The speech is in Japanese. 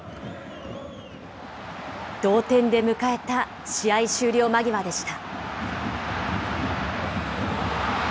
同点で迎えた試合終了間際でした。